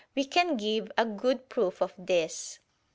We can give a good proof of this.